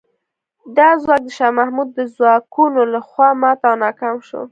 دا ځواک د شاه محمود د ځواکونو له خوا مات او ناکام شو.